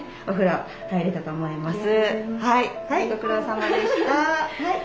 はいご苦労さまでした。